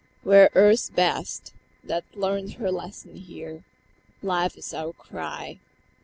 "We are Earth's best, that learnt her lesson here. Life is our cry.